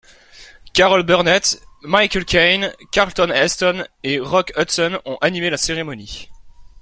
Carol Burnett, Michael Caine, Charlton Heston et Rock Hudson ont animé la cérémonie.